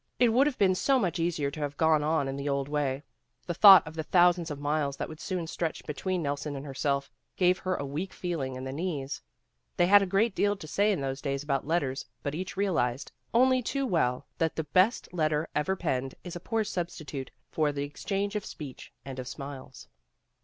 It would have been so much easier to have gone on in the old way. The thought of the thousands of miles that would soon stretch be tween Nelson and herself gave her a weak feel ing in the knees. They had a great deal to say in those days about letters but each realized, only two well, that the best letter ever penned is a poor substitute for the exchange of speech and of smiles.